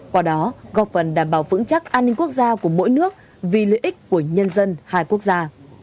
qua đó góp phần đảm bảo vững chắc an ninh quốc gia của mỗi nước vì lợi ích của nhân dân hai quốc gia